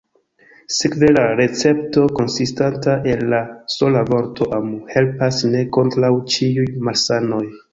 Sekve la recepto, konsistanta el la sola vorto «amu», helpas ne kontraŭ ĉiuj malsanoj.